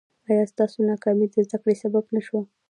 ایا ستاسو ناکامي د زده کړې سبب نه شوه؟